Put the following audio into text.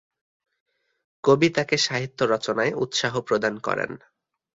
কবি তাকে সাহিত্য রচনায় উৎসাহ প্রদান করেন।